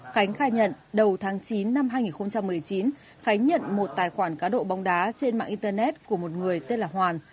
khánh khai nhận đầu tháng chín năm hai nghìn một mươi chín khánh nhận một tài khoản cá độ bóng đá trên mạng internet của một người tên là hoàn